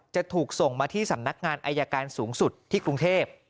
จะถูกส่งมาที่สำนักงานอายการสูงสุดที่กรุงเทพ